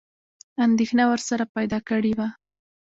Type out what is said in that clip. انېدښنه ورسره پیدا کړې وه.